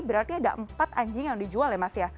berarti ada empat anjing yang dijual ya mas ya